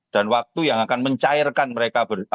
dan waktu yang akan mencairkan mereka